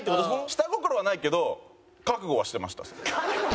下心はないけど覚悟はしてました。